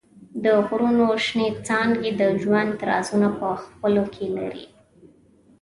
د غرونو شنېڅانګې د ژوند رازونه په خپلو کې لري.